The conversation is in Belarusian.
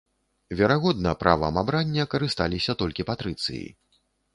Верагодна, правам абрання карысталіся толькі патрыцыі.